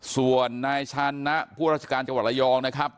ส่วนนายชานะผู้ราชการจังหวัดระยองนะครับ